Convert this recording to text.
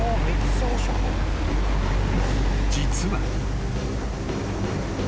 ［実は］